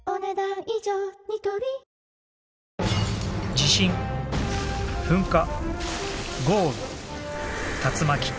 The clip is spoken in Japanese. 地震噴火豪雨竜巻。